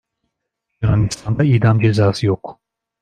Yunanistan'da idam cezası yok.